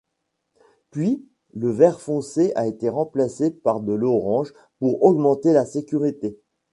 Puis, le vert foncé a été remplacé par de l'orange pour augmenter la sécurité.